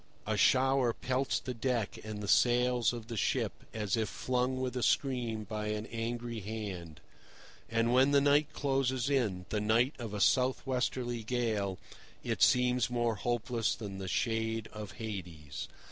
A shower pelts the deck and the sails of the ship as if flung with a scream by an angry hand; and when the night closes in, the night of a south westerly gale, it seems more hopeless than the shade of Hades.